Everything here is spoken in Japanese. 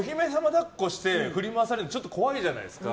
抱っこして振り回されるのちょっと怖いじゃないですか。